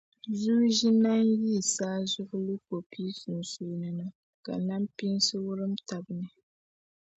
Zuu zinani yi saazuɣu lu ko' pii sunsuuni na ka nampiinsi wurum taba ni.